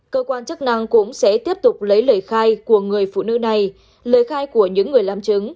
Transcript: cơ quan chức năng cũng sẽ tiếp tục lấy lời khai của người phụ nữ này lời khai của những người làm chứng